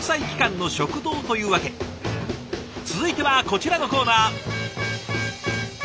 続いてはこちらのコーナー。